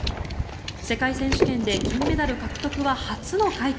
世界選手権で金メダル獲得は初の快挙。